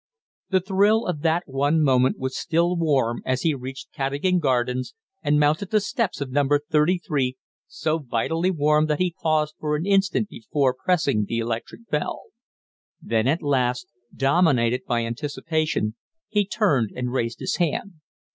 The thrill of that one moment was still warm as he reached Cadogan Gardens and mounted the steps of No. 33 so vitally warm that he paused for an instant before pressing the electric bell. Then at last, dominated by anticipation, he turned and raised his hand.